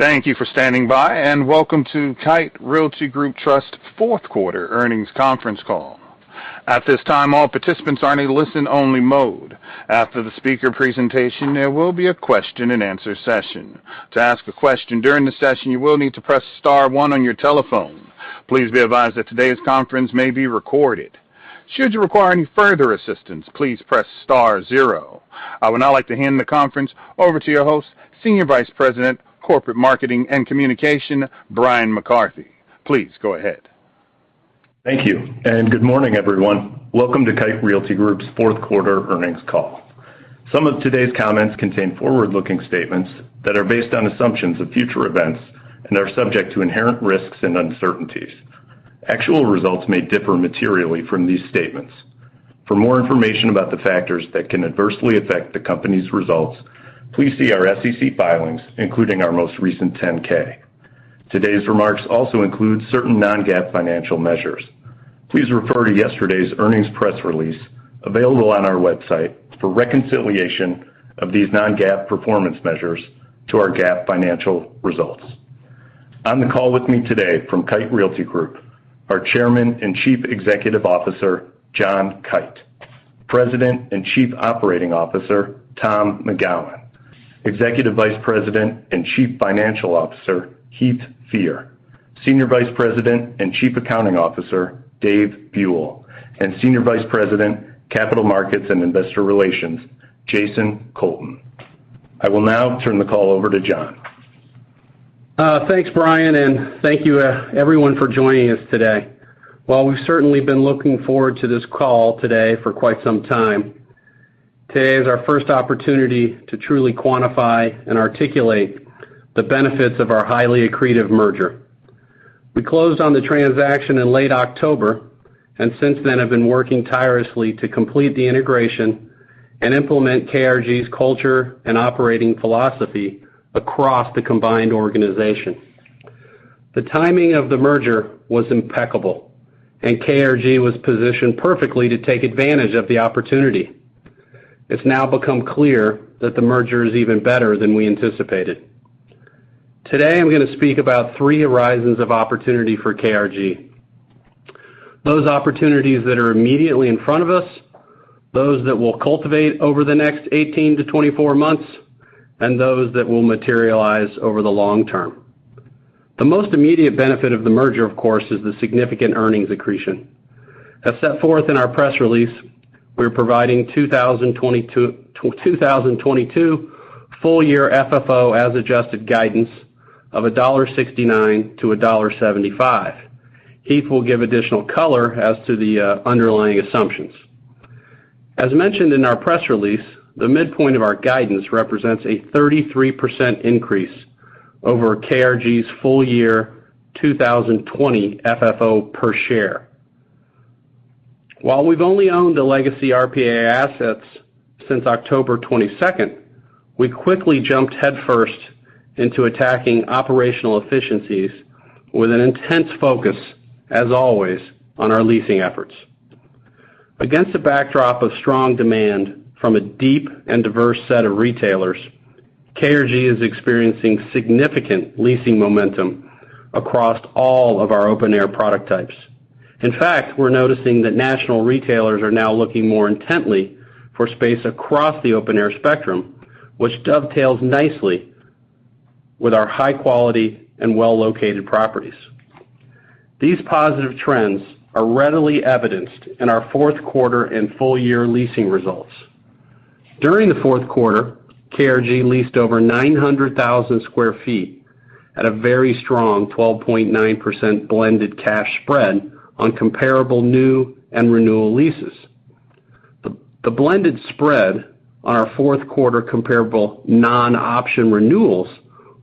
Thank you for standing by, and welcome to Kite Realty Group Trust fourth quarter earnings conference call. At this time, all participants are in a listen-only mode. After the speaker presentation, there will be a question-and-answer session. To ask a question during the session, you will need to press star one on your telephone. Please be advised that today's conference may be recorded. Should you require any further assistance, please press star zero. I would now like to hand the conference over to your host, Senior Vice President, Corporate Marketing and Communications, Bryan McCarthy. Please go ahead. Thank you, and good morning, everyone. Welcome to Kite Realty Group's fourth quarter earnings call. Some of today's comments contain forward-looking statements that are based on assumptions of future events and are subject to inherent risks and uncertainties. Actual results may differ materially from these statements. For more information about the factors that can adversely affect the company's results, please see our SEC filings, including our most recent 10-K. Today's remarks also include certain non-GAAP financial measures. Please refer to yesterday's earnings press release available on our website for reconciliation of these non-GAAP performance measures to our GAAP financial results. On the call with me today from Kite Realty Group, our Chairman and Chief Executive Officer, John Kite, President and Chief Operating Officer, Tom McGowan, Executive Vice President and Chief Financial Officer, Heath Fear, Senior Vice President and Chief Accounting Officer, Dave Buell, and Senior Vice President, Capital Markets and Investor Relations, Jason Colton. I will now turn the call over to John. Thanks, Bryan, and thank you, everyone for joining us today. While we've certainly been looking forward to this call today for quite some time, today is our first opportunity to truly quantify and articulate the benefits of our highly accretive merger. We closed on the transaction in late October, and since then have been working tirelessly to complete the integration and implement KRG's culture and operating philosophy across the combined organization. The timing of the merger was impeccable, and KRG was positioned perfectly to take advantage of the opportunity. It's now become clear that the merger is even better than we anticipated. Today, I'm gonna speak about three horizons of opportunity for KRG. Those opportunities that are immediately in front of us, those that we'll cultivate over the next 18-24 months, and those that will materialize over the long term. The most immediate benefit of the merger, of course, is the significant earnings accretion. As set forth in our press release, we're providing 2022 full year FFO as adjusted guidance of $1.69-$1.75. Heath will give additional color as to the underlying assumptions. As mentioned in our press release, the midpoint of our guidance represents a 33% increase over KRG's full year 2020 FFO per share. While we've only owned the legacy RPAI assets since October 22nd, we quickly jumped headfirst into attacking operational efficiencies with an intense focus, as always, on our leasing efforts. Against a backdrop of strong demand from a deep and diverse set of retailers, KRG is experiencing significant leasing momentum across all of our open-air product types. In fact, we're noticing that national retailers are now looking more intently for space across the open-air spectrum, which dovetails nicely with our high quality and well-located properties. These positive trends are readily evidenced in our fourth quarter and full year leasing results. During the fourth quarter, KRG leased over 900,000 sq ft at a very strong 12.9% blended cash spread on comparable new and renewal leases. The blended spread on our fourth quarter comparable non-option renewals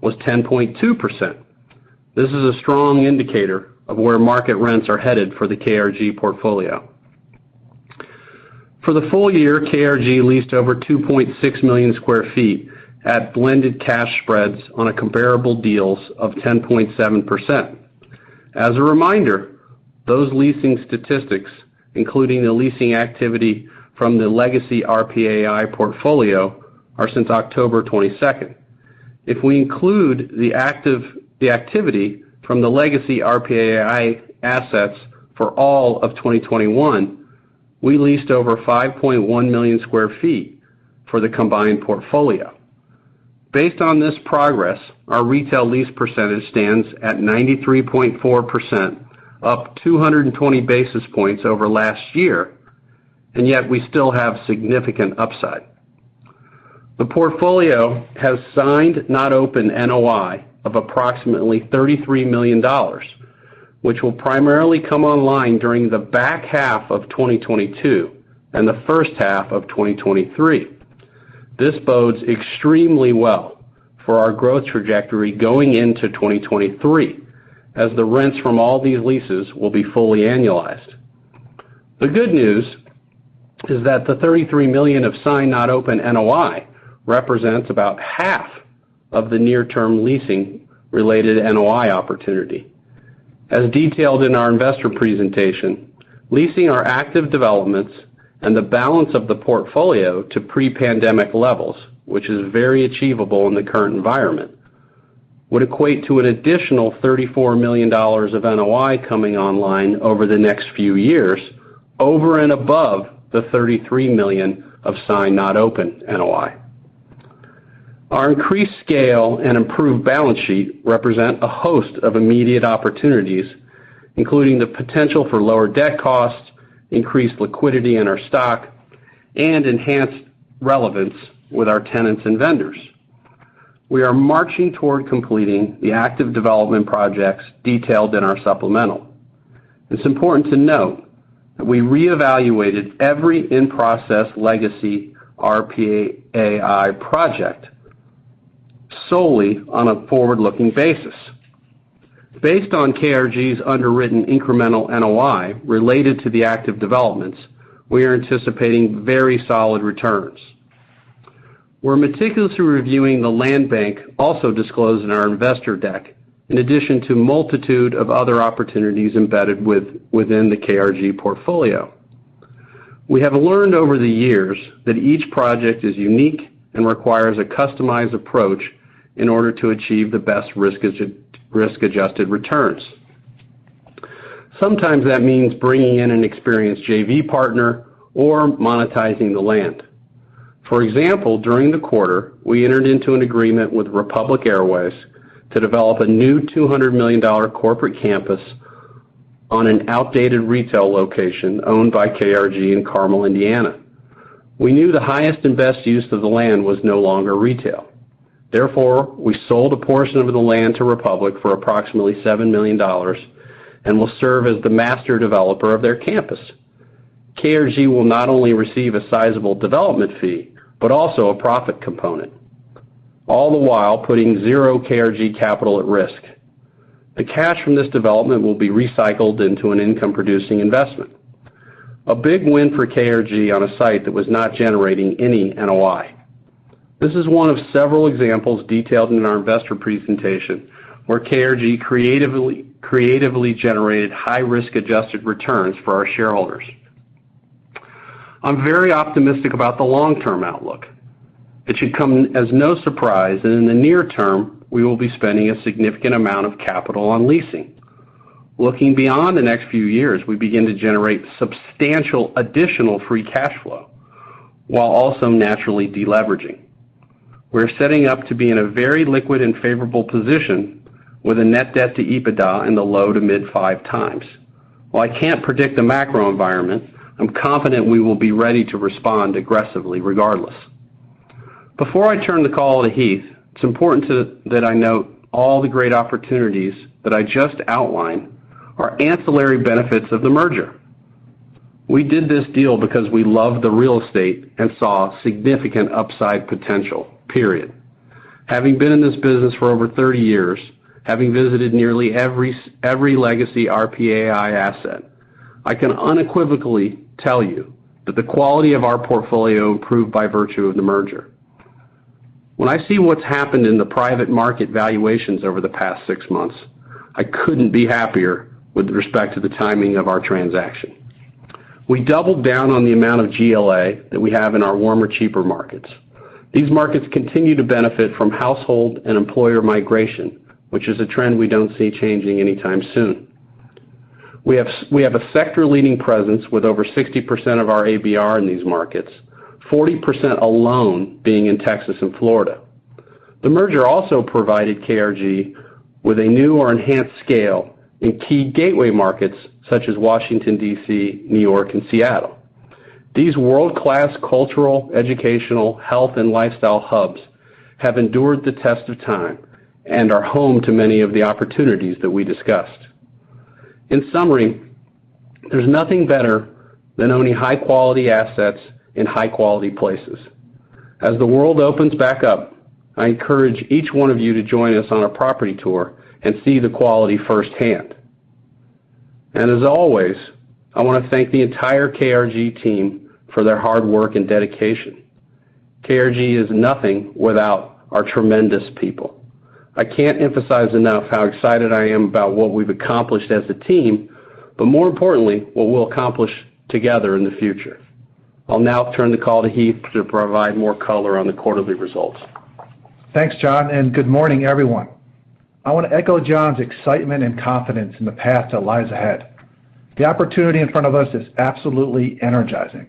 was 10.2%. This is a strong indicator of where market rents are headed for the KRG portfolio. For the full year, KRG leased over 2.6 million sq ft at blended cash spreads on a comparable deals of 10.7%. As a reminder, those leasing statistics, including the leasing activity from the legacy RPAI portfolio, are since October 22nd. If we include the activity from the legacy RPAI assets for all of 2021, we leased over 5.1 million sq ft for the combined portfolio. Based on this progress, our retail lease percentage stands at 93.4%, up 220 basis points over last year, and yet we still have significant upside. The portfolio has signed not open NOI of approximately $33 million, which will primarily come online during the back half of 2022 and the first half of 2023. This bodes extremely well for our growth trajectory going into 2023, as the rents from all these leases will be fully annualized. The good news is that the $33 million of signed not open NOI represents about half of the near-term leasing related NOI opportunity. As detailed in our investor presentation, leasing our active developments and the balance of the portfolio to pre-pandemic levels, which is very achievable in the current environment, would equate to an additional $34 million of NOI coming online over the next few years over and above the $33 million of signed not opened NOI. Our increased scale and improved balance sheet represent a host of immediate opportunities, including the potential for lower debt costs, increased liquidity in our stock, and enhanced relevance with our tenants and vendors. We are marching toward completing the active development projects detailed in our supplemental. It's important to note that we reevaluated every in-process legacy RPAI project solely on a forward-looking basis. Based on KRG's underwritten incremental NOI related to the active developments, we are anticipating very solid returns. We're meticulously reviewing the land bank also disclosed in our investor deck, in addition to a multitude of other opportunities embedded within the KRG portfolio. We have learned over the years that each project is unique and requires a customized approach in order to achieve the best risk-adjusted returns. Sometimes that means bringing in an experienced JV partner or monetizing the land. For example, during the quarter, we entered into an agreement with Republic Airways to develop a new $200 million corporate campus on an outdated retail location owned by KRG in Carmel, Indiana. We knew the highest and best use of the land was no longer retail. Therefore, we sold a portion of the land to Republic Airways for approximately $7 million and will serve as the master developer of their campus. KRG will not only receive a sizable development fee, but also a profit component, all the while putting 0 KRG capital at risk. The cash from this development will be recycled into an income-producing investment, a big win for KRG on a site that was not generating any NOI. This is one of several examples detailed in our investor presentation where KRG creatively generated high-risk adjusted returns for our shareholders. I'm very optimistic about the long-term outlook. It should come as no surprise that in the near term, we will be spending a significant amount of capital on leasing. Looking beyond the next few years, we begin to generate substantial additional free cash flow while also naturally deleveraging. We're setting up to be in a very liquid and favorable position with a net debt to EBITDA in the low- to mid-5x. While I can't predict the macro environment, I'm confident we will be ready to respond aggressively regardless. Before I turn the call to Heath, it's important that I note all the great opportunities that I just outlined are ancillary benefits of the merger. We did this deal because we love the real estate and saw significant upside potential, period. Having been in this business for over 30 years, having visited nearly every legacy RPAI asset, I can unequivocally tell you that the quality of our portfolio improved by virtue of the merger. When I see what's happened in the private market valuations over the past six months, I couldn't be happier with respect to the timing of our transaction. We doubled down on the amount of GLA that we have in our warmer, cheaper markets. These markets continue to benefit from household and employer migration, which is a trend we don't see changing anytime soon. We have a sector leading presence with over 60% of our ABR in these markets, 40% alone being in Texas and Florida. The merger also provided KRG with a new or enhanced scale in key gateway markets such as Washington, D.C., New York, and Seattle. These world-class cultural, educational, health, and lifestyle hubs have endured the test of time and are home to many of the opportunities that we discussed. In summary, there's nothing better than owning high-quality assets in high-quality places. As the world opens back up, I encourage each one of you to join us on a property tour and see the quality firsthand. As always, I wanna thank the entire KRG team for their hard work and dedication. KRG is nothing without our tremendous people. I can't emphasize enough how excited I am about what we've accomplished as a team, but more importantly, what we'll accomplish together in the future. I'll now turn the call to Heath to provide more color on the quarterly results. Thanks, John, and good morning, everyone. I want to echo John's excitement and confidence in the path that lies ahead. The opportunity in front of us is absolutely energizing.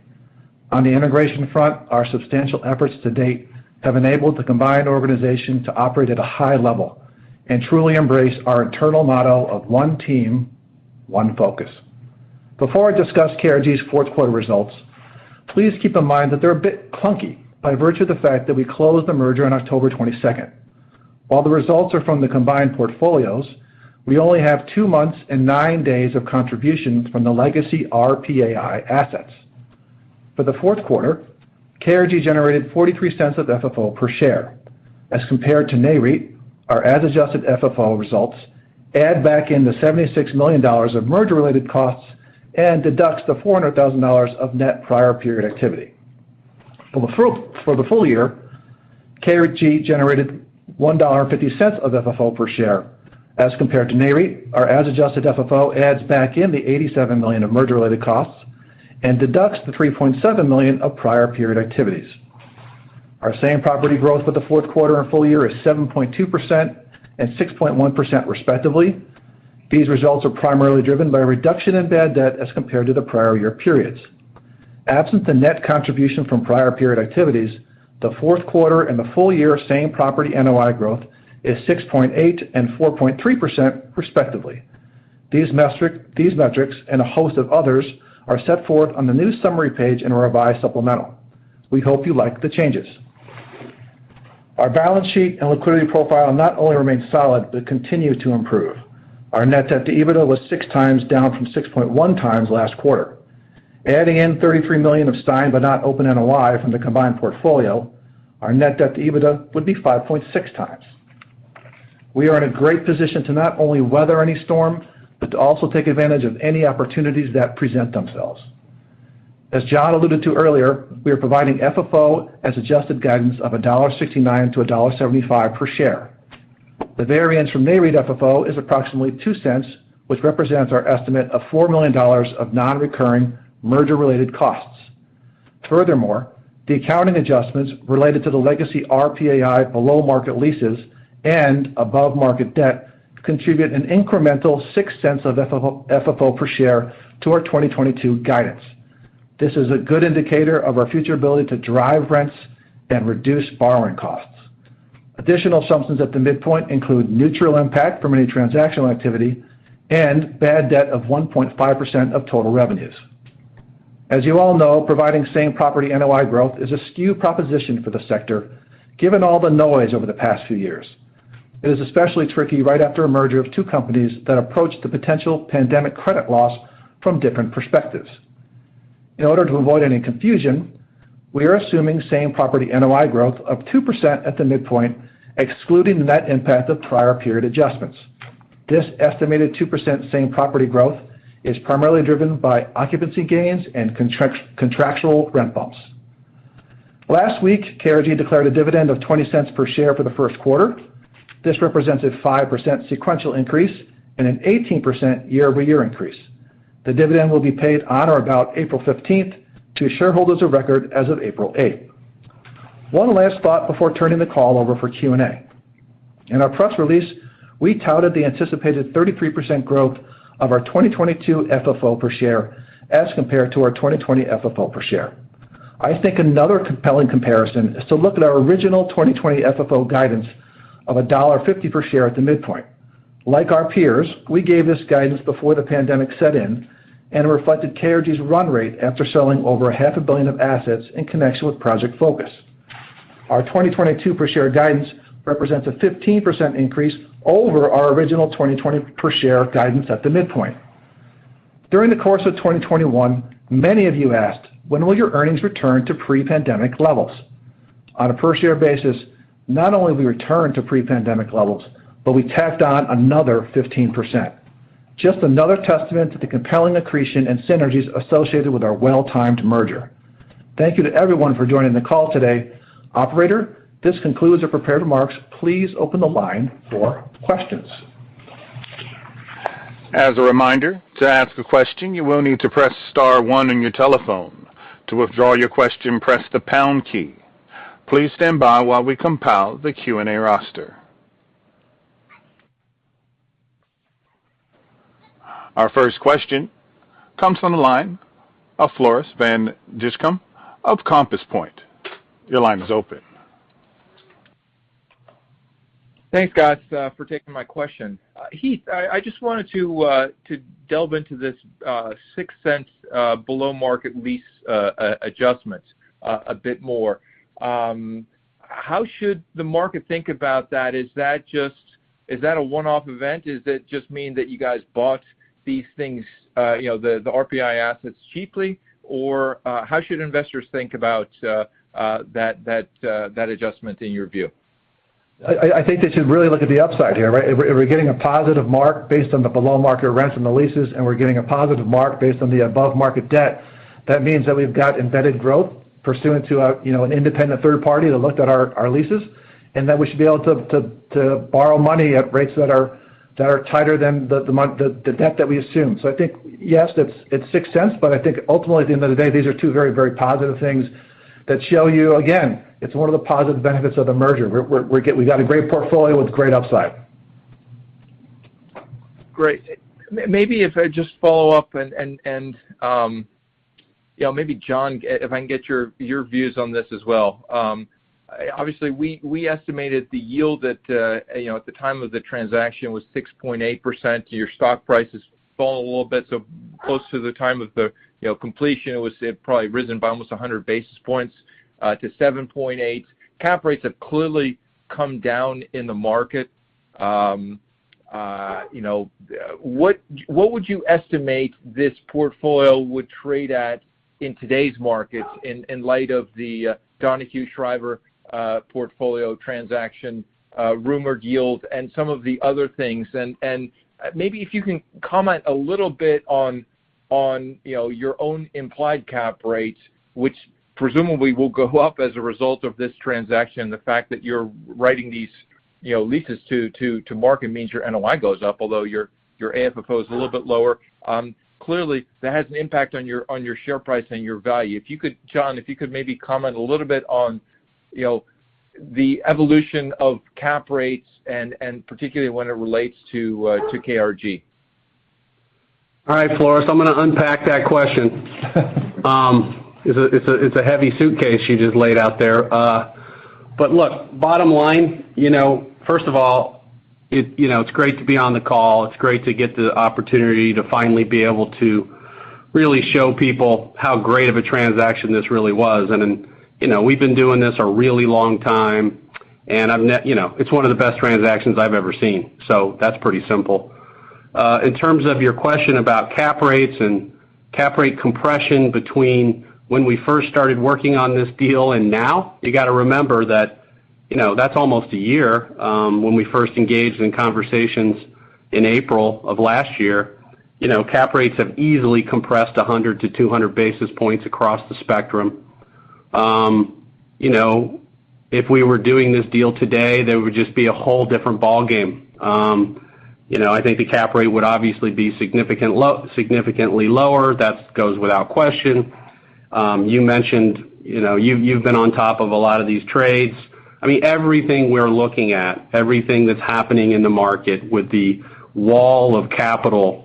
On the integration front, our substantial efforts to date have enabled the combined organization to operate at a high level and truly embrace our internal motto of one team, one focus. Before I discuss KRG's fourth quarter results, please keep in mind that they're a bit clunky by virtue of the fact that we closed the merger on October 22nd. While the results are from the combined portfolios, we only have two months and nine days of contribution from the legacy RPAI assets. For the fourth quarter, KRG generated $0.43 of FFO per share. As compared to NAREIT, our as adjusted FFO results add back in the $76 million of merger-related costs and deducts the $400,000 of net prior period activity. For the full year, KRG generated $1.50 of FFO per share as compared to NAREIT. Our as adjusted FFO adds back in the $87 million of merger-related costs and deducts the $3.7 million of prior period activities. Our same property growth for the fourth quarter and full year is 7.2% and 6.1% respectively. These results are primarily driven by a reduction in bad debt as compared to the prior year periods. Absent the net contribution from prior period activities, the fourth quarter and the full year same property NOI growth is 6.8% and 4.3% respectively. These metrics and a host of others are set forth on the new summary page in our revised supplemental. We hope you like the changes. Our balance sheet and liquidity profile not only remains solid, but continue to improve. Our net debt to EBITDA was 6x, down from 6.1x last quarter. Adding in $33 million of signed but not open NOI from the combined portfolio, our net debt to EBITDA would be 5.6x. We are in a great position to not only weather any storm, but to also take advantage of any opportunities that present themselves. As John alluded to earlier, we are providing FFO as adjusted guidance of $1.69-$1.75 per share. The variance from NAREIT FFO is approximately $0.02, which represents our estimate of $4 million of non-recurring merger-related costs. Furthermore, the accounting adjustments related to the legacy RPAI below market leases and above market debt contribute an incremental $0.06 of FFO per share to our 2022 guidance. This is a good indicator of our future ability to drive rents and reduce borrowing costs. Additional assumptions at the midpoint include neutral impact from any transactional activity and bad debt of 1.5% of total revenues. As you all know, providing same property NOI growth is a skewed proposition for the sector, given all the noise over the past few years. It is especially tricky right after a merger of two companies that approached the potential pandemic credit loss from different perspectives. In order to avoid any confusion, we are assuming same property NOI growth of 2% at the midpoint, excluding the net impact of prior period adjustments. This estimated 2% same property growth is primarily driven by occupancy gains and contractual rent bumps. Last week, KRG declared a dividend of $0.20 per share for the first quarter. This represents a 5% sequential increase and an 18% year-over-year increase. The dividend will be paid on or about April 15th to shareholders of record as of April 8th. One last thought before turning the call over for Q&A. In our press release, we touted the anticipated 33% growth of our 2022 FFO per share as compared to our 2020 FFO per share. I think another compelling comparison is to look at our original 2020 FFO guidance of $1.50 per share at the midpoint. Like our peers, we gave this guidance before the pandemic set in and reflected KRG's run rate after selling over $0.5 billion of assets in connection with Project Focus. Our 2022 per share guidance represents a 15% increase over our original 2020 per share guidance at the midpoint. During the course of 2021, many of you asked, when will your earnings return to pre-pandemic levels? On a per share basis, not only we returned to pre-pandemic levels, but we tacked on another 15%. Just another testament to the compelling accretion and synergies associated with our well-timed merger. Thank you to everyone for joining the call today. Operator, this concludes our prepared remarks. Please open the line for questions. As a reminder, to ask a question, you will need to press star one on your telephone. To withdraw your question, press the pound key. Please stand by while we compile the Q&A roster. Our first question comes from the line of Floris van Dijkum of Compass Point. Your line is open. Thanks, guys, for taking my question. Heath, I just wanted to delve into this $0.06 below market lease adjustment a bit more. How should the market think about that? Is that just a one-off event? Does that just mean that you guys bought these things, you know, the RPAI assets cheaply? Or, how should investors think about that adjustment in your view? I think they should really look at the upside here, right? If we're getting a positive mark based on the below market rents and the leases, and we're getting a positive mark based on the above market debt, that means that we've got embedded growth pursuant to a, you know, an independent third party that looked at our leases, and that we should be able to borrow money at rates that are tighter than the debt that we assumed. I think yes, it's $0.06, but I think ultimately, at the end of the day, these are two very, very positive things that show you, again, it's one of the positive benefits of the merger. We got a great portfolio with great upside. Great. Maybe if I just follow up and, you know, maybe John, if I can get your views on this as well. Obviously, we estimated the yield at, you know, at the time of the transaction was 6.8%. Your stock price has fallen a little bit. Close to the time of the, you know, completion, it probably risen by almost 100 basis points to 7.8. Cap rates have clearly come down in the market. You know, what would you estimate this portfolio would trade at in today's market in light of the Donahue Schriber portfolio transaction, rumored yield and some of the other things? Maybe if you can comment a little bit on your own implied cap rates, which presumably will go up as a result of this transaction. The fact that you're writing these, you know, leases to market means your NOI goes up, although your AFFO is a little bit lower. Clearly, that has an impact on your share price and your value. If you could, John, maybe comment a little bit on, you know, the evolution of cap rates and particularly when it relates to KRG. All right, Floris, I'm gonna unpack that question. It's a heavy suitcase you just laid out there. Look, bottom line, you know, first of all, you know, it's great to be on the call. It's great to get the opportunity to finally be able to really show people how great of a transaction this really was. You know, we've been doing this a really long time, and you know, it's one of the best transactions I've ever seen. That's pretty simple. In terms of your question about cap rates and cap rate compression between when we first started working on this deal and now, you got to remember that, you know, that's almost a year, when we first engaged in conversations in April of last year. You know, cap rates have easily compressed 100-200 basis points across the spectrum. You know, if we were doing this deal today, there would just be a whole different ballgame. You know, I think the cap rate would obviously be significantly lower. That goes without question. You mentioned, you know, you've been on top of a lot of these trades. I mean, everything we're looking at, everything that's happening in the market with the wall of capital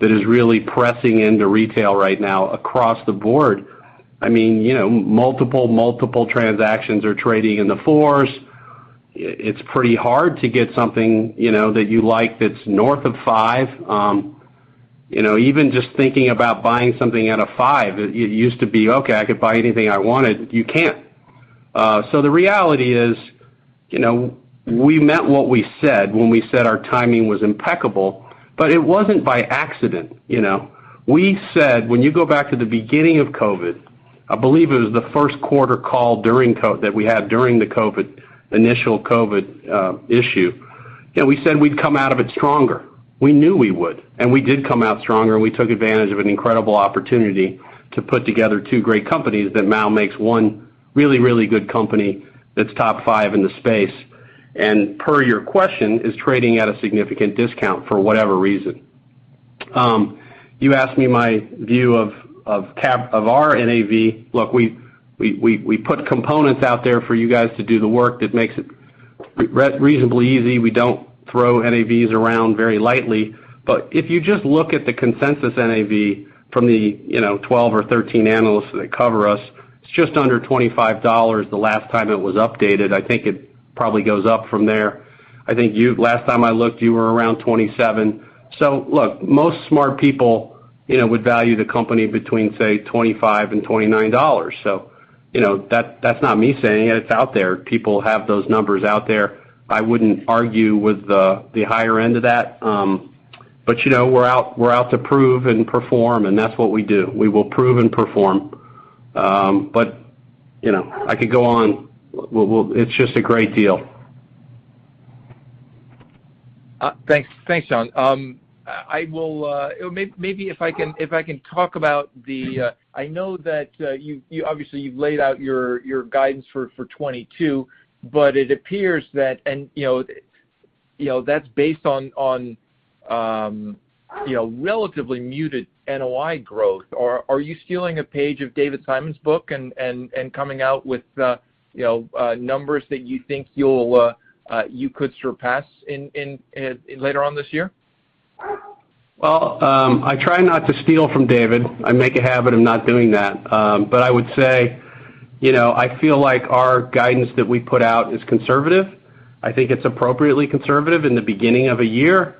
that is really pressing into retail right now across the board, I mean, you know, multiple transactions are trading in the 4s. It's pretty hard to get something, you know, that you like that's north of 5. You know, even just thinking about buying something at a 5, it used to be, "Okay, I could buy anything I wanted." You can't. The reality is, you know, we meant what we said when we said our timing was impeccable, but it wasn't by accident, you know? We said, when you go back to the beginning of COVID, I believe it was the first quarter call during the COVID, initial COVID issue, you know, we said we'd come out of it stronger. We knew we would, and we did come out stronger, and we took advantage of an incredible opportunity to put together two great companies that now makes one really, really good company that's top five in the space, and per your question, is trading at a significant discount for whatever reason. You asked me my view of cap of our NAV. Look, we put components out there for you guys to do the work that makes it reasonably easy. We don't throw NAVs around very lightly. If you just look at the consensus NAV from the, you know, 12 or 13 analysts that cover us, it's just under $25 the last time it was updated. I think it probably goes up from there. Last time I looked, you were around $27. Look, most smart people, you know, would value the company between, say, $25 and $29. You know, that's not me saying it. It's out there. People have those numbers out there. I wouldn't argue with the higher end of that. You know, we're out to prove and perform, and that's what we do. We will prove and perform. You know, I could go on. It's just a great deal. Thanks, John. Maybe if I can talk about, I know that you obviously have laid out your guidance for 2022, but it appears that you know that's based on you know relatively muted NOI growth. Are you stealing a page of David Simon's book and coming out with you know numbers that you think you could surpass later on this year? Well, I try not to steal from David. I make a habit of not doing that. But I would say, you know, I feel like our guidance that we put out is conservative. I think it's appropriately conservative in the beginning of a year.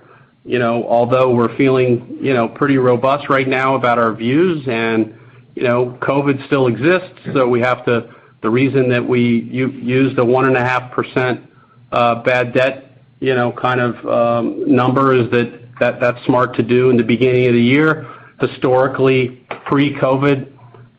You know, although we're feeling, you know, pretty robust right now about our views and, you know, COVID still exists, so we have to. The reason that we use the 1.5% bad debt, you know, kind of number is that that's smart to do in the beginning of the year. Historically, pre-COVID,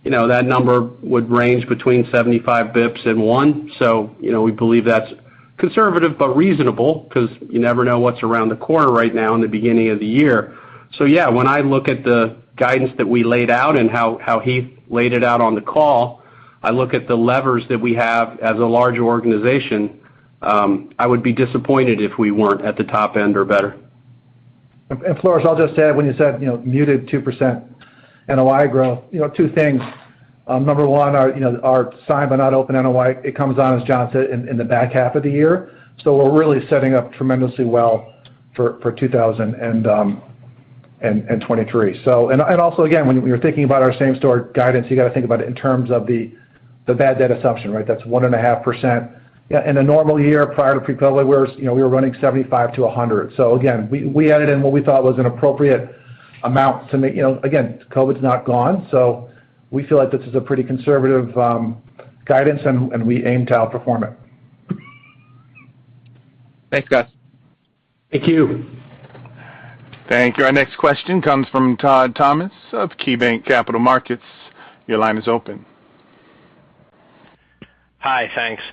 you know, that number would range between 75 basis points and 1. So, you know, we believe that's conservative but reasonable because you never know what's around the corner right now in the beginning of the year. Yeah, when I look at the guidance that we laid out and how Heath laid it out on the call, I look at the levers that we have as a larger organization, I would be disappointed if we weren't at the top end or better. Floris, I'll just add, when you said, you know, muted 2% NOI growth, you know, two things. Number one, our signed but not opened NOI, it comes on, as John said, in the back half of the year. We're really setting up tremendously well for 2022 and 2023. Also again, when you're thinking about our same store guidance, you gotta think about it in terms of the bad debt assumption, right? That's 1.5%. In a normal year, prior to pre-COVID, we were running 75-100. Again, we added in what we thought was an appropriate amount to make. You know, again, COVID's not gone, so we feel like this is a pretty conservative guidance and we aim to outperform it. Thanks, guys. Thank you. Thank you. Our next question comes from Todd Thomas of KeyBanc Capital Markets. Your line is open. Hi, thanks.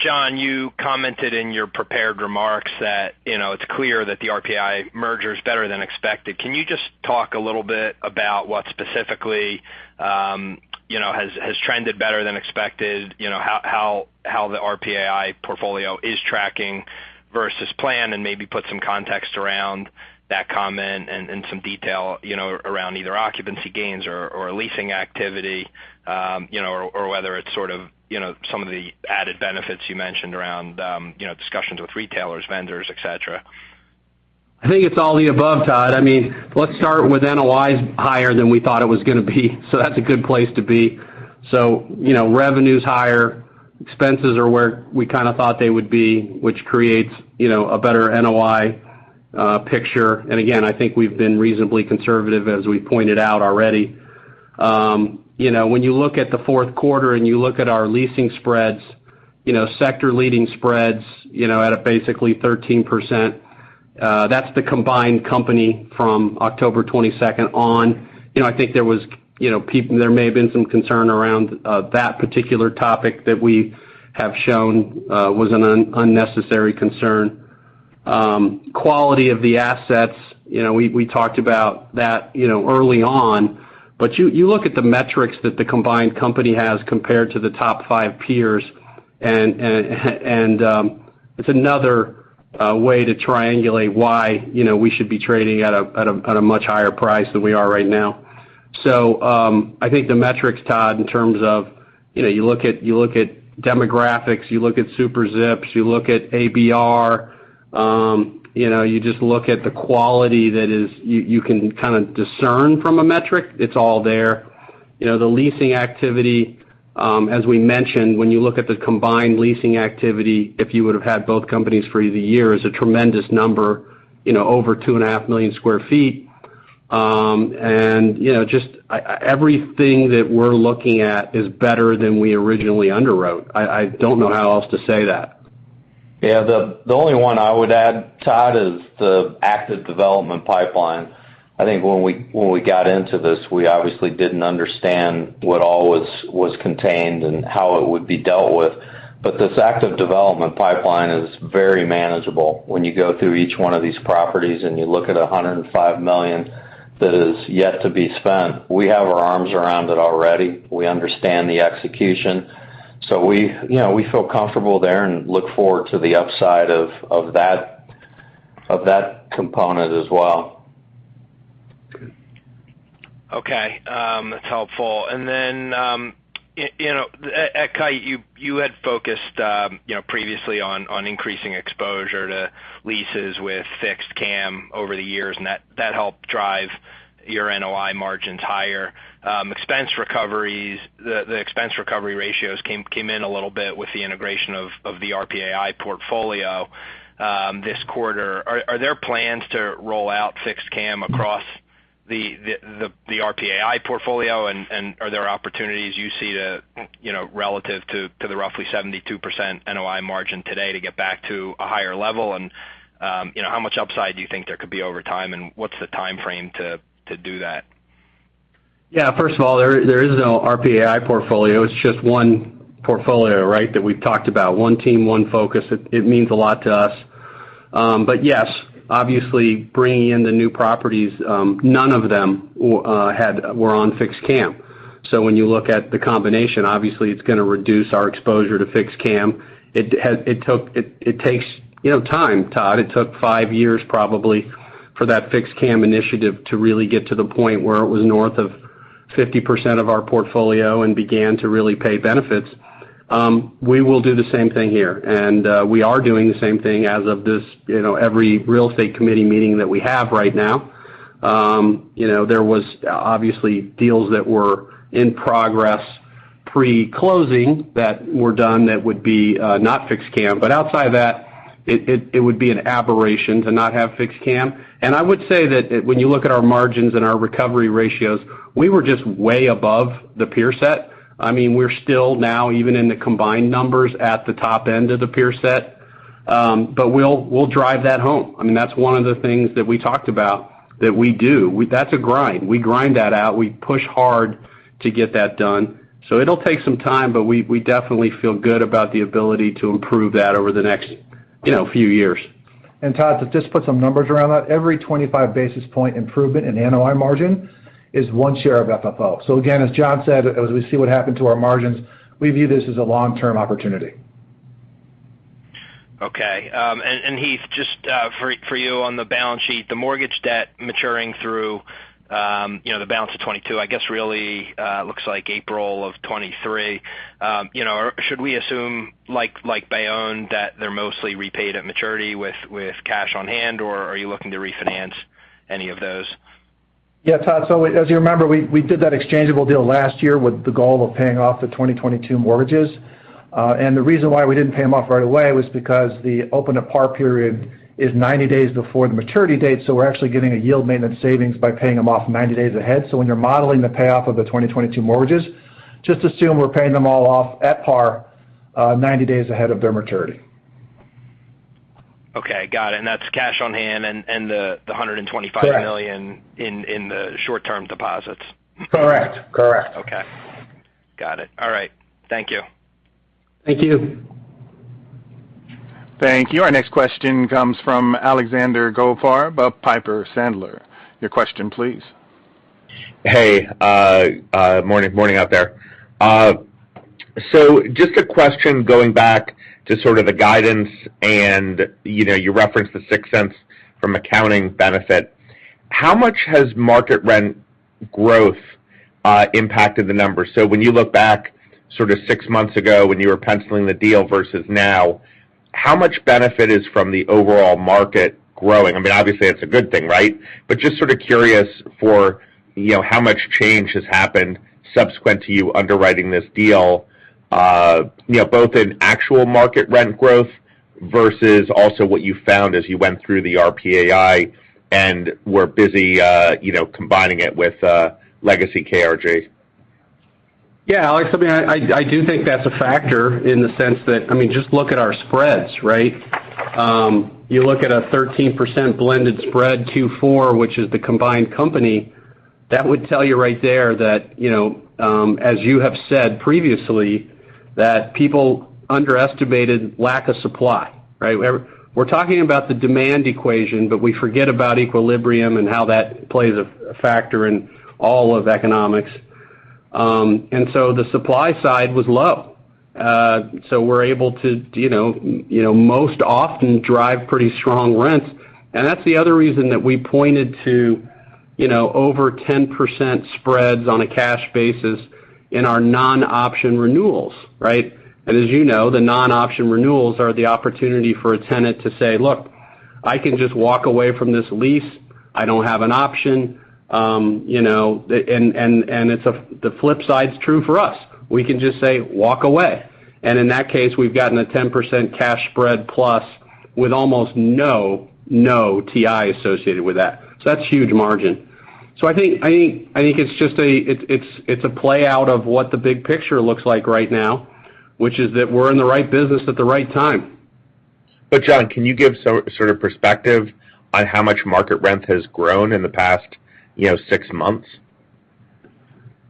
John, you commented in your prepared remarks that, you know, it's clear that the RPAI merger is better than expected. Can you just talk a little bit about what specifically, you know, has trended better than expected? You know, how the RPAI portfolio is tracking versus plan, and maybe put some context around that comment and some detail, you know, around either occupancy gains or leasing activity, you know, or whether it's sort of, you know, some of the added benefits you mentioned around, you know, discussions with retailers, vendors, etc. I think it's all the above, Todd. I mean, let's start with NOI is higher than we thought it was gonna be, so that's a good place to be. You know, revenue's higher. Expenses are where we kind of thought they would be, which creates, you know, a better NOI picture. Again, I think we've been reasonably conservative as we pointed out already. You know, when you look at the fourth quarter and you look at our leasing spreads, you know, sector leading spreads, you know, at a basically 13%, that's the combined company from October 22nd on. You know, I think there was, you know, there may have been some concern around that particular topic that we have shown was an unnecessary concern. Quality of the assets, you know, we talked about that, you know, early on. You look at the metrics that the combined company has compared to the top five peers, and it's another way to triangulate why, you know, we should be trading at a much higher price than we are right now. I think the metrics, Todd, in terms of, you know, you look at demographics, you look at SuperZip, you look at ABR, you know, you just look at the quality that you can kind of discern from a metric, it's all there. You know, the leasing activity, as we mentioned, when you look at the combined leasing activity, if you would've had both companies for the year, is a tremendous number, you know, over 2.5 million sq ft. You know, just everything that we're looking at is better than we originally underwrote. I don't know how else to say that. The only one I would add, Todd, is the active development pipeline. I think when we got into this, we obviously didn't understand what all was contained and how it would be dealt with. This active development pipeline is very manageable when you go through each one of these properties and you look at $105 million that is yet to be spent. We have our arms around it already. We understand the execution, so you know, we feel comfortable there and look forward to the upside of that component as well. Okay, that's helpful. Then you know, at Kite, you had focused, you know, previously on increasing exposure to leases with fixed CAM over the years, and that helped drive your NOI margins higher. Expense recoveries, the expense recovery ratios came in a little bit with the integration of the RPAI portfolio this quarter. Are there plans to roll out fixed CAM across the RPAI portfolio and are there opportunities you see to, you know, relative to the roughly 72% NOI margin today to get back to a higher level? You know, how much upside do you think there could be over time, and what's the timeframe to do that? Yeah. First of all, there is no RPAI portfolio. It's just one portfolio, right? That we've talked about. One team, one focus. It means a lot to us. Yes, obviously bringing in the new properties, none of them were on fixed CAM. When you look at the combination, obviously it's gonna reduce our exposure to fixed CAM. It takes, you know, time, Todd. It took five years probably for that fixed CAM initiative to really get to the point where it was north of 50% of our portfolio and began to really pay benefits. We will do the same thing here, and we are doing the same thing as of this, you know, every real estate committee meeting that we have right now. You know, there was obviously deals that were in progress pre-closing that were done that would be not fixed CAM. Outside of that, it would be an aberration to not have fixed CAM. I would say that when you look at our margins and our recovery ratios, we were just way above the peer set. I mean, we're still now even in the combined numbers at the top end of the peer set. We'll drive that home. I mean, that's one of the things that we talked about that we do. That's a grind. We grind that out. We push hard to get that done. It'll take some time, but we definitely feel good about the ability to improve that over the next, you know, few years. Todd, to just put some numbers around that, every 25 basis point improvement in NOI margin is one share of FFO. Again, as John said, as we see what happened to our margins, we view this as a long-term opportunity. Okay. Heath, just for you on the balance sheet. The mortgage debt maturing through you know the balance of 2022, I guess really looks like April of 2023. You know should we assume like Baytown that they're mostly repaid at maturity with cash on hand or are you looking to refinance any of those? Yeah, Todd. As you remember, we did that exchangeable deal last year with the goal of paying off the 2022 mortgages. The reason why we didn't pay them off right away was because the open to par period is 90 days before the maturity date, so we're actually getting a yield maintenance savings by paying them off 90 days ahead. When you're modeling the payoff of the 2022 mortgages, just assume we're paying them all off at par, 90 days ahead of their maturity. Okay, got it. That's cash on hand and $125 million in the short-term deposits? Correct. Okay, got it. All right, thank you. Thank you. Thank you. Our next question comes from Alexander Goldfarb of Piper Sandler. Your question, please. Hey, morning out there. Just a question going back to sort of the guidance and, you know, you referenced the $0.06 from accounting benefit. How much has market rent growth impacted the numbers? When you look back sort of six months ago when you were penciling the deal versus now, how much benefit is from the overall market growing? I mean, obviously, it's a good thing, right? But just sort of curious for, you know, how much change has happened subsequent to you underwriting this deal, you know, both in actual market rent growth versus also what you found as you went through the RPAI and were busy, you know, combining it with legacy KRG. Yeah. Alex, I mean, I do think that's a factor in the sense that I mean, just look at our spreads, right? You look at a 13% blended spread 2024, which is the combined company, that would tell you right there that, you know, as you have said previously, that people underestimated lack of supply, right? We're talking about the demand equation, but we forget about equilibrium and how that plays a factor in all of economics. So the supply side was low. We're able to, you know, most often drive pretty strong rents. That's the other reason that we pointed to, you know, over 10% spreads on a cash basis in our non-option renewals, right? As you know, the non-option renewals are the opportunity for a tenant to say, "Look, I can just walk away from this lease. I don't have an option." You know, and it's the flip side is true for us. We can just say walk away. In that case, we've gotten a 10% cash spread plus with almost no TI associated with that. That's huge margin. I think it's just a play out of what the big picture looks like right now, which is that we're in the right business at the right time. John, can you give sort of perspective on how much market rent has grown in the past, you know, six months?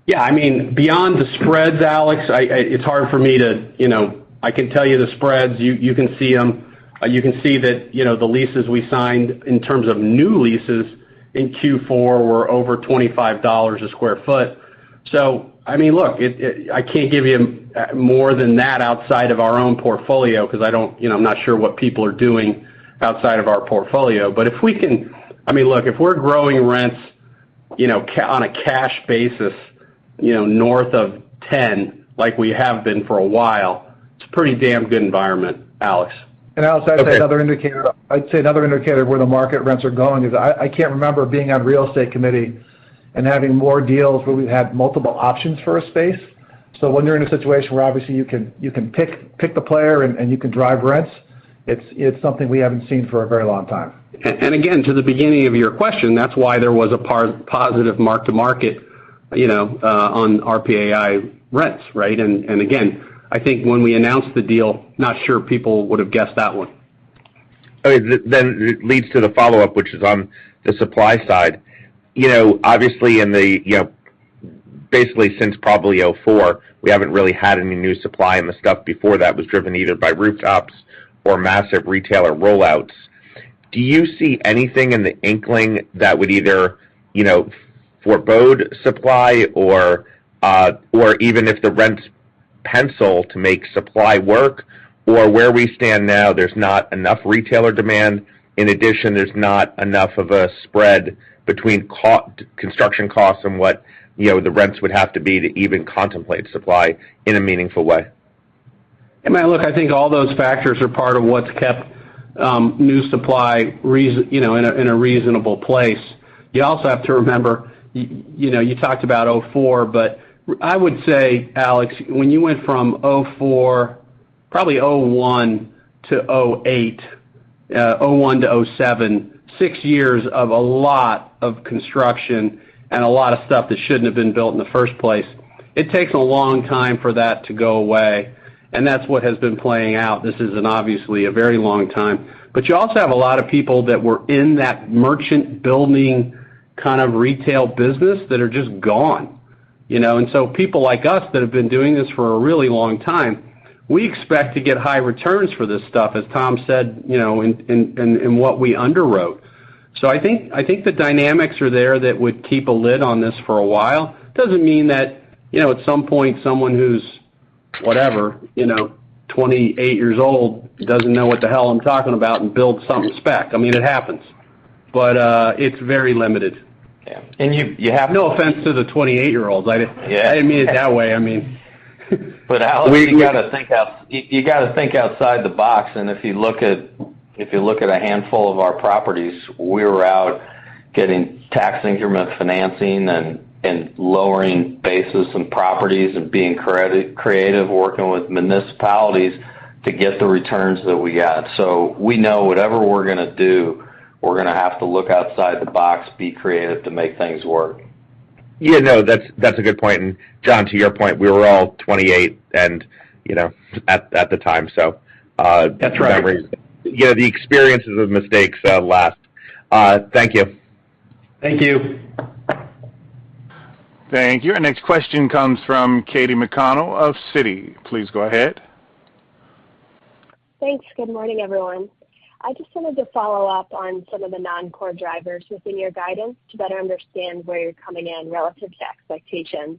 Yeah. I mean, beyond the spreads, Alex, it's hard for me to, you know, I can tell you the spreads, you can see them. You can see that, you know, the leases we signed in terms of new leases in Q4 were over $25 a sq ft. I mean, look, I can't give you more than that outside of our own portfolio because I don't, you know, I'm not sure what people are doing outside of our portfolio. If we can, I mean, look, if we're growing rents, you know, on a cash basis, you know, north of 10%, like we have been for a while, it's a pretty damn good environment, Alex. Alex, I'd say another indicator of where the market rents are going is I can't remember being on real estate committee and having more deals where we've had multiple options for a space. When you're in a situation where obviously you can pick the player and you can drive rents, it's something we haven't seen for a very long time. Again, to the beginning of your question, that's why there was a positive mark-to-market, you know, on RPAI rents, right? Again, I think when we announced the deal, I'm not sure people would have guessed that one. Okay. Leads to the follow-up, which is on the supply side. You know, obviously in the, you know, basically since probably 2004, we haven't really had any new supply, and the stuff before that was driven either by rooftops or massive retailer rollouts. Do you see anything in the inkling that would either, you know, forebode supply or even if the rents pencil to make supply work or where we stand now, there's not enough retailer demand, in addition, there's not enough of a spread between construction costs and what, you know, the rents would have to be to even contemplate supply in a meaningful way? I mean, look, I think all those factors are part of what's kept new supply reasonable, you know, in a reasonable place. You also have to remember, you know, you talked about 2004, but I would say, Alex, when you went from 2004, probably 2001-2007, six years of a lot of construction and a lot of stuff that shouldn't have been built in the first place. It takes a long time for that to go away, and that's what has been playing out. This is obviously a very long time. You also have a lot of people that were in that merchant builders kind of retail business that are just gone, you know. People like us that have been doing this for a really long time, we expect to get high returns for this stuff, as Tom said, you know, in what we underwrote. I think the dynamics are there that would keep a lid on this for a while. It doesn't mean that, you know, at some point, someone who's, whatever, you know, 28 years old doesn't know what the hell I'm talking about and builds some spec. I mean, it happens, but it's very limited. No offense to the 28-year-olds, I didn't mean it that way. I mean, Alex, you gotta think outside the box. If you look at a handful of our properties, we're out getting tax increment financing and lowering bases and properties and being creative, working with municipalities to get the returns that we got. We know whatever we're gonna do, we're gonna have to look outside the box, be creative to make things work. Yeah, no, that's a good point. John, to your point, we were all 28 and, you know, at the time, so- That's right. Yeah, the experiences of mistakes last. Thank you. Thank you. Thank you. Our next question comes from Katy McConnell of Citi. Please go ahead. Thanks. Good morning, everyone. I just wanted to follow up on some of the non-core drivers within your guidance to better understand where you're coming in relative to expectations.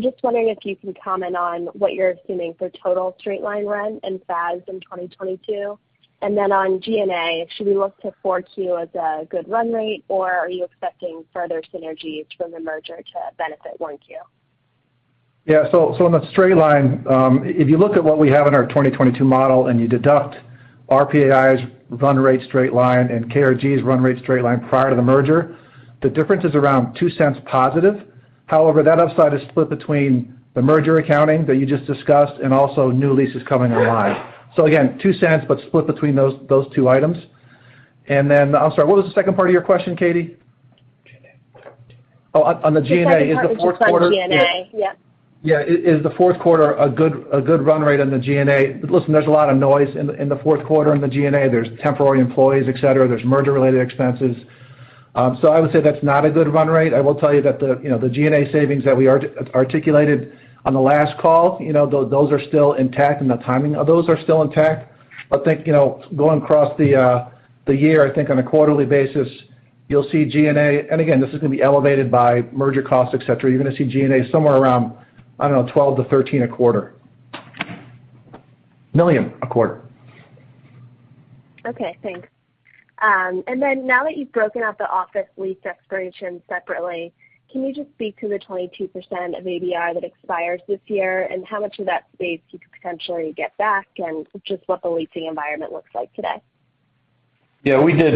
Just wondering if you can comment on what you're assuming for total straight-line rent and size in 2022? Then on G&A, should we look to 4Q as a good run rate, or are you expecting further synergies from the merger to benefit 1Q? On the straight line, if you look at what we have in our 2022 model and you deduct RPAI's run rate straight line and KRG's run rate straight line prior to the merger, the difference is around $0.02 positive. However, that upside is split between the merger accounting that you just discussed and also new leases coming online. $0.02, but split between those two items. I'm sorry, what was the second part of your question, Katy? G&A. On the G&A, is the fourth quarter- The second part was on G&A. Yeah. Yeah. Is the fourth quarter a good run rate on the G&A? Listen, there's a lot of noise in the fourth quarter on the G&A. There's temporary employees, etc. There's merger-related expenses. So I would say that's not a good run rate. I will tell you that the, you know, the G&A savings that we articulated on the last call, you know, those are still intact, and the timing of those are still intact. I think, you know, going across the year, I think on a quarterly basis, you'll see G&A. Again, this is gonna be elevated by merger costs, etc. You're gonna see G&A somewhere around, I don't know, $12 million-$13 million a quarter. Okay, thanks. Now that you've broken out the office lease expiration separately, can you just speak to the 22% of ABR that expires this year and how much of that space you could potentially get back and just what the leasing environment looks like today? Yeah, we did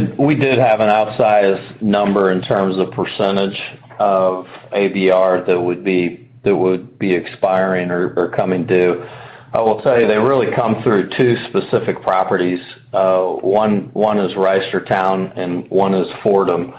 have an outsized number in terms of percentage of ABR that would be expiring or coming due. I will tell you, they really come through two specific properties. One is Reisterstown and one is Fordham.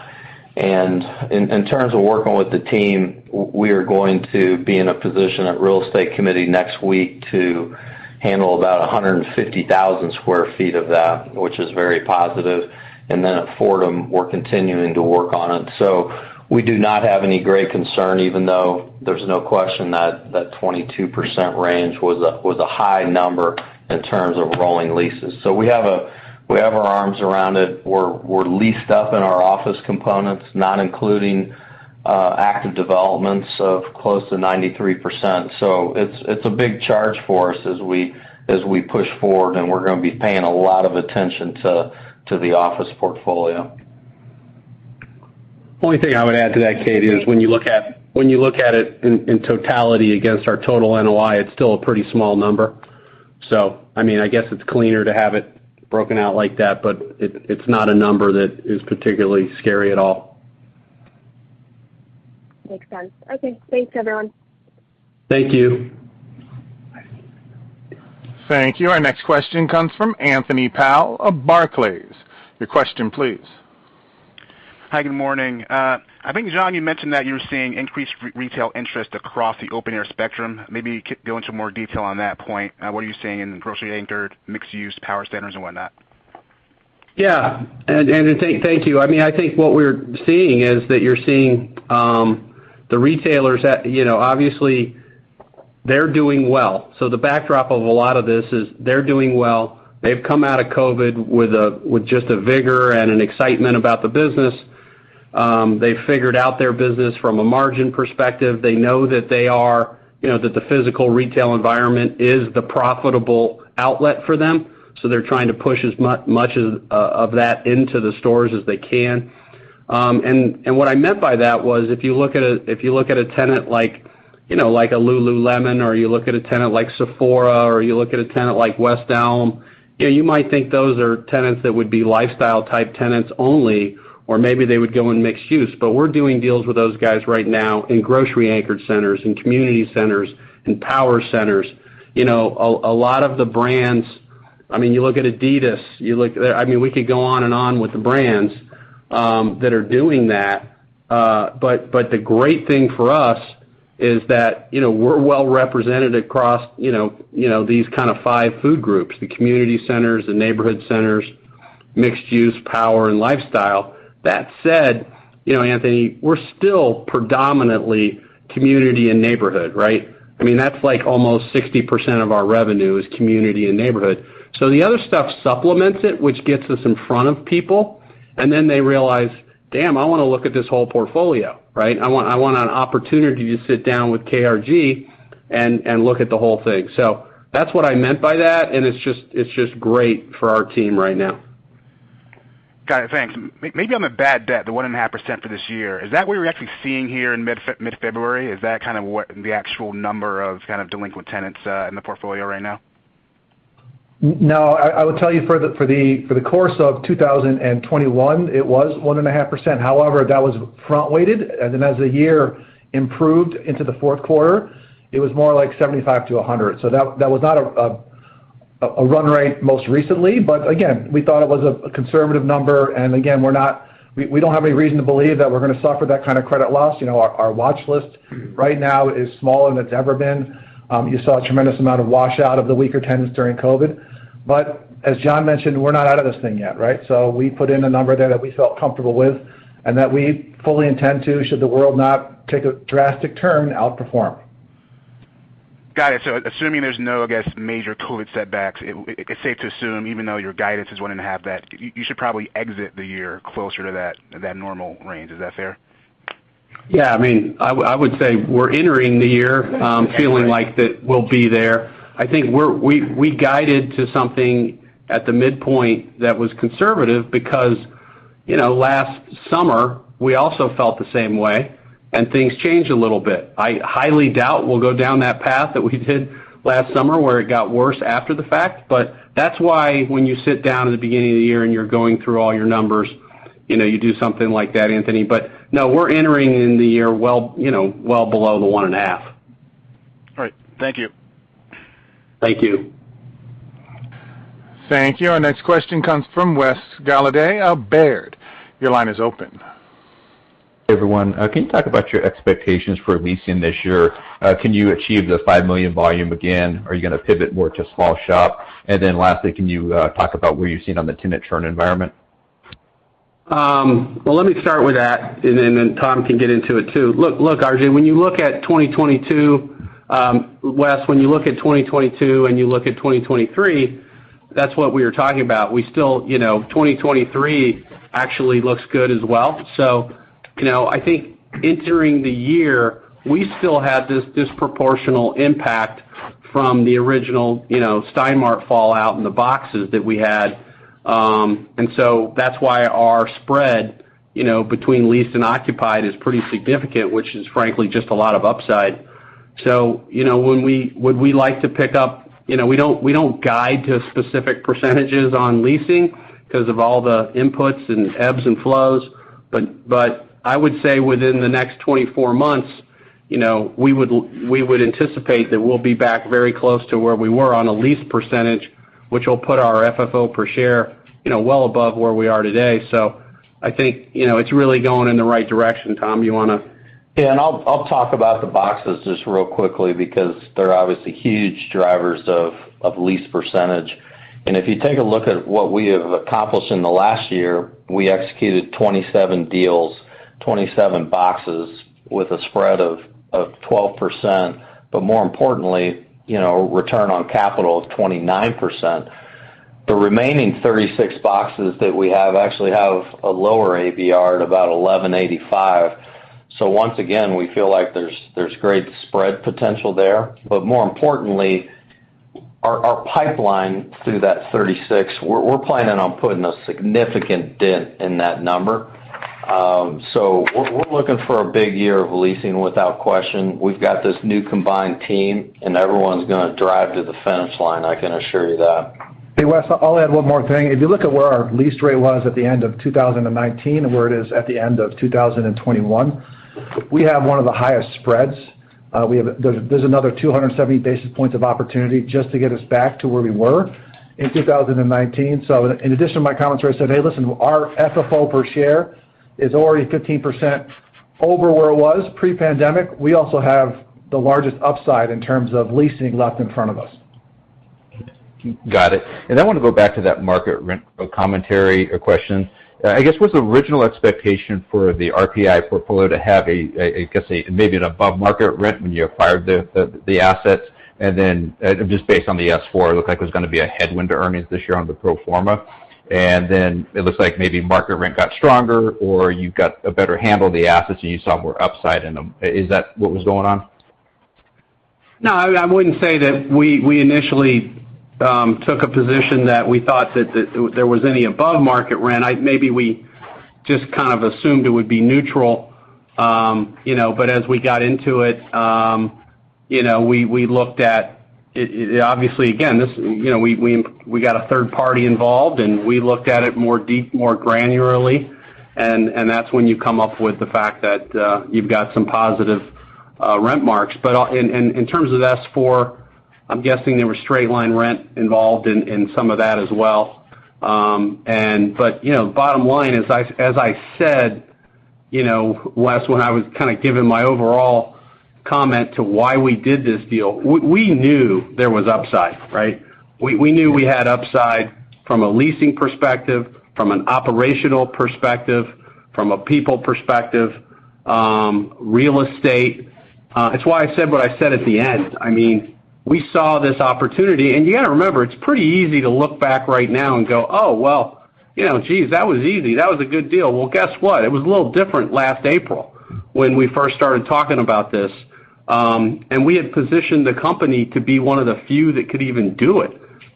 In terms of working with the team, we are going to be in a position at real estate committee next week to handle about 150,000 sq ft of that, which is very positive. Then at Fordham, we're continuing to work on it. We do not have any great concern, even though there's no question that 22% range was a high number in terms of rolling leases. We have our arms around it, we're leased up in our office components, not including active developments of close to 93%. It's a big charge for us as we push forward, and we're gonna be paying a lot of attention to the office portfolio. Only thing I would add to that, Katie, is when you look at it in totality against our total NOI, it's still a pretty small number. I mean, I guess it's cleaner to have it broken out like that, but it's not a number that is particularly scary at all. Makes sense. Okay, thanks, everyone. Thank you. Thank you. Our next question comes from Anthony Powell of Barclays. Your question, please. Hi, good morning. I think, John, you mentioned that you were seeing increased retail interest across the open-air spectrum. Maybe go into more detail on that point. What are you seeing in grocery-anchored, mixed-use power centers and whatnot? Yeah, thank you. I mean, I think what we're seeing is that you're seeing the retailers at, you know, obviously they're doing well. The backdrop of a lot of this is they're doing well. They've come out of COVID with just a vigor and an excitement about the business. They figured out their business from a margin perspective. They know that they are, you know, that the physical retail environment is the profitable outlet for them, so they're trying to push as much as of that into the stores as they can. What I meant by that was if you look at a tenant like, you know, like a Lululemon, or you look at a tenant like Sephora, or you look at a tenant like West Elm, you know, you might think those are tenants that would be lifestyle-type tenants only, or maybe they would go in mixed use. But we're doing deals with those guys right now in grocery anchored centers and community centers and power centers. You know, a lot of the brands. I mean, you look at adidas. I mean, we could go on and on with the brands that are doing that. The great thing for us is that, you know, we're well-represented across, you know, these kind of five food groups, the community centers, the neighborhood centers, mixed use, power and lifestyle. That said, you know, Anthony, we're still predominantly community and neighborhood, right? I mean, that's like almost 60% of our revenue is community and neighborhood. The other stuff supplements it, which gets us in front of people, and then they realize, damn, I wanna look at this whole portfolio, right? I want, I want an opportunity to sit down with KRG and look at the whole thing. That's what I meant by that, and it's just, it's just great for our team right now. Got it, thanks. Maybe on the bad debt, the 1.5% for this year, is that what we're actually seeing here in mid-February? Is that kind of what the actual number of kind of delinquent tenants in the portfolio right now? No. I would tell you for the course of 2021, it was 1.5%. However, that was front-weighted, and then as the year improved into the fourth quarter, it was more like 75%-100%. That was not a run rate most recently, but again, we thought it was a conservative number. Again, we don't have any reason to believe that we're gonna suffer that kind of credit loss. You know, our watch list right now is smaller than it's ever been. You saw a tremendous amount of wash out of the weaker tenants during COVID. As John mentioned, we're not out of this thing yet, right? We put in a number there that we felt comfortable with and that we fully intend to, should the world not take a drastic turn, outperform. Got it. Assuming there's no, I guess, major COVID setbacks, it's safe to assume, even though your guidance is 1.5% that, you should probably exit the year closer to that normal range. Is that fair? Yeah. I mean, I would say we're entering the year feeling like that we'll be there. I think we guided to something at the midpoint that was conservative because, you know, last summer we also felt the same way, and things changed a little bit. I highly doubt we'll go down that path that we did last summer where it got worse after the fact. That's why when you sit down at the beginning of the year and you're going through all your numbers, you know, you do something like that, Anthony. No, we're entering in the year well, you know, well below the 1.5%. All right. Thank you. Thank you. Thank you. Our next question comes from Wes Golladay of Baird. Your line is open. Everyone, can you talk about your expectations for leasing this year? Can you achieve the $5 million volume again? Are you gonna pivot more to small shop? Then lastly, can you talk about where you've seen on the tenant churn environment? Well, let me start with that and then Tom can get into it too. Look, when you look at 2022, Wes, when you look at 2023, that's what we were talking about. We still, you know, 2023 actually looks good as well. You know, I think entering the year, we still have this disproportional impact from the original, you know, Stein Mart fallout in the boxes that we had. That's why our spread, you know, between leased and occupied is pretty significant, which is frankly just a lot of upside. You know, we would like to pick up. You know, we don't guide to specific percentages on leasing 'cause of all the inputs and ebbs and flows. I would say within the next 24 months, you know, we would anticipate that we'll be back very close to where we were on a lease percentage, which will put our FFO per share, you know, well above where we are today. I think, you know, it's really going in the right direction. Tom, you wanna? Yeah, I'll talk about the boxes just real quickly because they're obviously huge drivers of lease percentage. If you take a look at what we have accomplished in the last year, we executed 27 deals, 27 boxes with a spread of 12%, but more importantly, you know, return on capital of 29%. The remaining 36 boxes that we have actually have a lower ABR at about $11.85. Once again, we feel like there's great spread potential there. More importantly, our pipeline through that 36, we're planning on putting a significant dent in that number. We're looking for a big year of leasing without question. We've got this new combined team, and everyone's gonna drive to the finish line, I can assure you that. Hey, Wes. I'll add one more thing. If you look at where our lease rate was at the end of 2019 and where it is at the end of 2021, we have one of the highest spreads. There's another 270 basis points of opportunity just to get us back to where we were in 2019. In addition to my commentary, I said, hey, listen, our FFO per share is already 15% over where it was pre-pandemic. We also have the largest upside in terms of leasing left in front of us. Got it. I wanna go back to that market rent commentary question. I guess what's the original expectation for the RPAI portfolio to have a maybe an above market rent when you acquired the assets? Just based on the S-4, it looked like it was gonna be a headwind to earnings this year on the pro forma. It looks like maybe market rent got stronger or you got a better handle of the assets and you saw more upside in them. Is that what was going on? No. I wouldn't say that we initially took a position that we thought that there was any above market rent. I maybe we just kind of assumed it would be neutral. You know, but as we got into it, you know, we looked at it obviously, again, this, you know, we got a third party involved, and we looked at it more deep, more granularly, and that's when you come up with the fact that you've got some positive rent marks. But and in terms of S-4, I'm guessing there was straight line rent involved in some of that as well. But, you know, bottom line, as I said, you know, Wes, when I was kind of giving my overall comment to why we did this deal, we knew there was upside, right? We knew we had upside from a leasing perspective, from an operational perspective, from a people perspective, real estate. It's why I said what I said at the end. I mean, we saw this opportunity. You gotta remember, it's pretty easy to look back right now and go, "Oh, well, you know, geez, that was easy. That was a good deal." Well, guess what? It was a little different last April when we first started talking about this. We had positioned the company to be one of the few that could even do it,